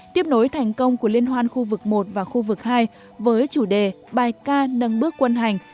tiếp nối thành công của liên hoan khu vực một và khu vực hai với chủ đề bài ca nâng bước quân hành